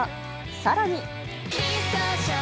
さらに。